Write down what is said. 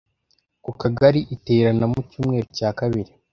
Ku Kagari iterana mu cyumweru cya kabiri,